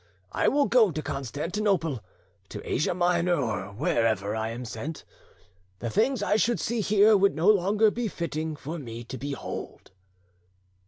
I will go to Constantinople, to Asia Minor, or wherever I am sent. The things I should see here would no longer be fitting for me to behold."